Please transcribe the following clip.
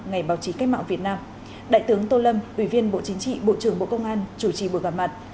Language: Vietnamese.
ngày báo chí cách mạng việt nam đại tướng tô lâm ủy viên bộ chính trị bộ trưởng bộ công an chủ trì buổi gặp mặt